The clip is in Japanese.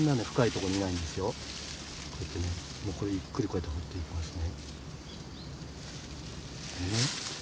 こうやってねこれゆっくりこうやって掘っていきますね。